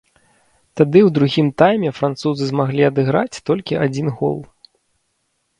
Тады ў другім тайме французы змаглі адыграць толькі адзін гол.